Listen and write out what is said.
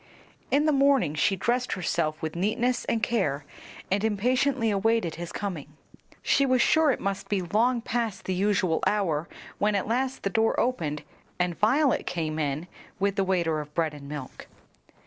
In the morning she dressed herself with neatness and care and impatiently awaited his coming. She was sure it must be long past the usual hour when at last the door opened and Violet came in with the waiter of bread and milk.